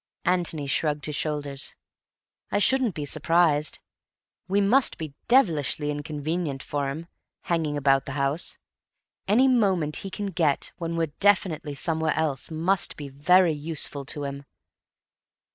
Antony shrugged his shoulders. "I shouldn't be surprised. We must be devilishly inconvenient for him, hanging about the house. Any moment he can get, when we're definitely somewhere else, must be very useful to him."